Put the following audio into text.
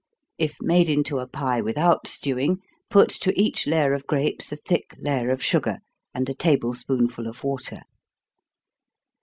If made into a pie without stewing, put to each layer of grapes a thick layer of sugar, and a table spoonful of water.